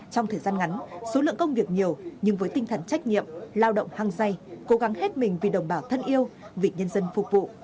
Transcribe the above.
trong thời gian ngắn số lượng công việc nhiều nhưng với tinh thần trách nhiệm lao động hăng say cố gắng hết mình vì đồng bào thân yêu vì nhân dân phục vụ